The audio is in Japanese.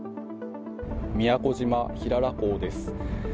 宮古島平良港です。